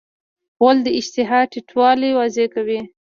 غول د اشتها ټیټوالی واضح کوي.